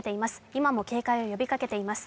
今も警戒を呼びかけています。